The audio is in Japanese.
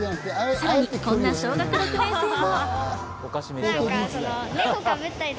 さらに、こんな小学６年生も。